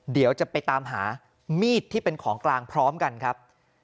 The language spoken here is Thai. เดี๋ยวจะไปตามหามีดที่เป็นของกลางพร้อมกันครับ